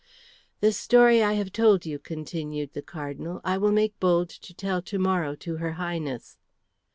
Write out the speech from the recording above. "This story I have told you," continued the Cardinal, "I will make bold to tell to morrow to her Highness."